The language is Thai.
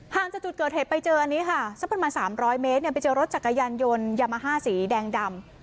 จากจุดเกิดเหตุไปเจออันนี้ค่ะสักประมาณ๓๐๐เมตรไปเจอรถจักรยานยนต์ยามาฮ่าสีแดงดำ